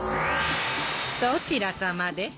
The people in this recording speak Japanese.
どちらさまで？